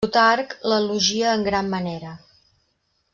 Plutarc l'elogia en gran manera.